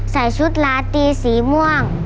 ใส่ชุดลาตีสีม่วง